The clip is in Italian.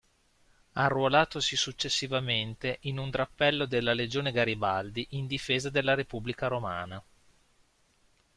Arruolatosi successivamente in un drappello della Legione Garibaldi in difesa della Repubblica Romana.